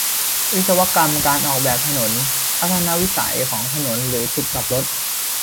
วิศวกรรมการออกแบบถนน ทัศนวิสัยของถนน หรือจุดกลับรถ